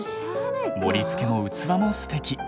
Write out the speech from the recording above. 盛りつけも器もステキ。